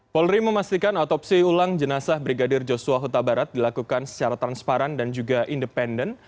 polri memastikan otopsi ulang jenazah brigadir joshua huta barat dilakukan secara transparan dan juga independen